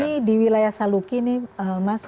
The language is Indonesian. ini di wilayah saluki nih mas